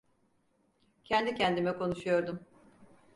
Kendi kendime konuşuyordum.